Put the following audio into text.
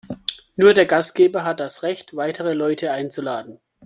Nur der Gastgeber hat das Recht, weitere Leute einzuladen.